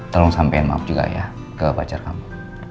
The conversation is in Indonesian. tolong sampaikan maaf juga ya ke pacar kamu